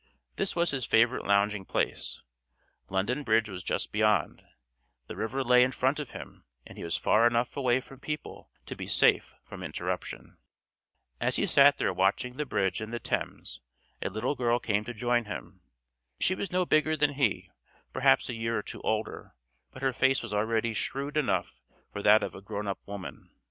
This was his favorite lounging place; London Bridge was just beyond, the river lay in front of him, and he was far enough away from people to be safe from interruption. As he sat there watching the Bridge and the Thames a little girl came to join him. She was no bigger than he, perhaps a year or two older, but her face was already shrewd enough for that of a grown up woman.